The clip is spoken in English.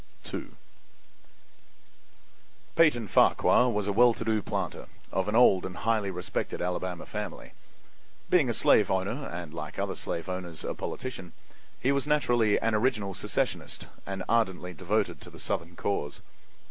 II Peyton Farquhar was a well to do planter, of an old and highly respected Alabama family. Being a slave owner and like other slave owners a politician, he was naturally an original secessionist and ardently devoted to the Southern cause.